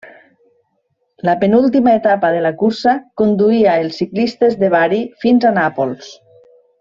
La penúltima etapa de la cursa conduïa els ciclistes de Bari fins a Nàpols.